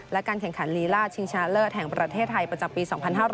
และการแข่งขันลีล่าชิงชนะเลิศแห่งประเทศไทยประจำปี๒๕๖๐